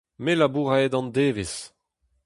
Me 'labour a-hed an devezh.